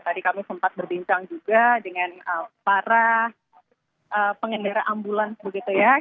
tadi kami sempat berbincang juga dengan para pengendara ambulans begitu ya